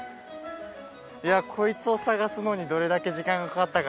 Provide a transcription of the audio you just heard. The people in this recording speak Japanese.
いやこいつを探すのにどれだけ時間がかかったか。